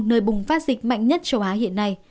nơi bùng phát dịch mạnh nhất châu á hiện nay